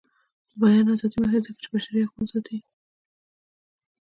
د بیان ازادي مهمه ده ځکه چې بشري حقونه ساتي.